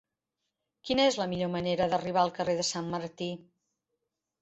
Quina és la millor manera d'arribar al carrer de Sant Martí?